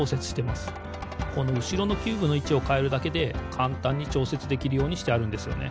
このうしろのキューブのいちをかえるだけでかんたんにちょうせつできるようにしてあるんですよね。